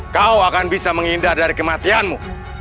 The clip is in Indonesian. kau akan bisa menghindar dari kematianmu